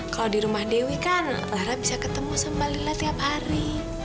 kalau di rumah dewi kan lara bisa ketemu sama lila tiap hari